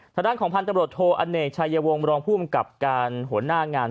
สถานของพันธุ์ตรวจโทษอเนกชายวงรองผู้บังกับการหัวหน้างาน